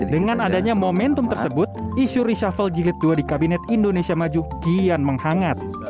dengan adanya momentum tersebut isu reshuffle jilid dua di kabinet indonesia maju kian menghangat